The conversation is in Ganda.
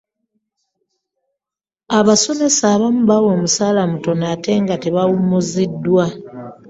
Abasomesa abamu bawa omusaala mutono ate nga tebawummuzibwa.